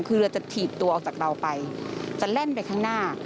คือเราจะถีบตัวออกจากเราไปจะแล่นไปข้างหน้า